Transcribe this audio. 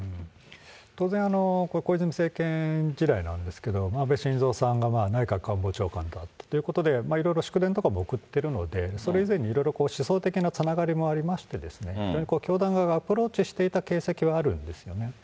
当然、小泉政権時代なんですけども、安倍晋三さんが内閣官房長官になったということで、いろいろ祝電とかも送ってるので、それ以前にいろいろ思想的なつながりもありまして、教団側がアプローチしていた形跡があるんですよね。